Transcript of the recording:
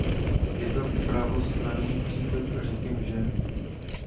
Je to pravostranný přítok řeky Mže.